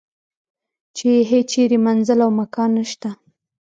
چې یې هیچرې منزل او مکان نشته.